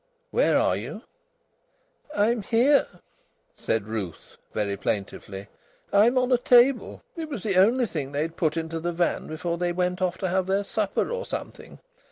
"Where are you?" "I'm here," said Ruth, very plaintively. "I'm on a table. It was the only thing they had put into the van before they went off to have their supper or something.